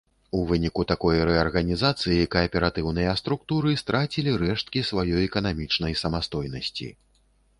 У выніку такой рэарганізацыі кааператыўныя структуры страцілі рэшткі сваёй эканамічнай самастойнасці.